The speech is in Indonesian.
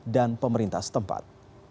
dan pemerintah setempat